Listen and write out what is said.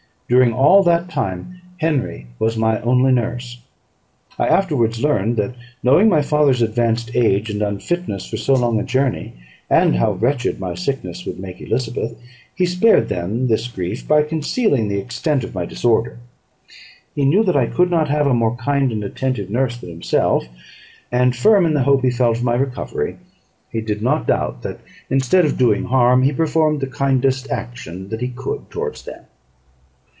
During all that time Henry was my only nurse. I afterwards learned that, knowing my father's advanced age, and unfitness for so long a journey, and how wretched my sickness would make Elizabeth, he spared them this grief by concealing the extent of my disorder. He knew that I could not have a more kind and attentive nurse than himself; and, firm in the hope he felt of my recovery, he did not doubt that, instead of doing harm, he performed the kindest action that he could towards them.